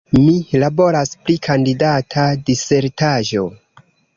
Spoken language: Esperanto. Mi laboras pri kandidata disertaĵo.